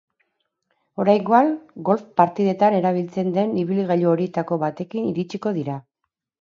Oraingoan golf partidetan erabiltzen den ibilgailu horietako batekin iritsiko dira.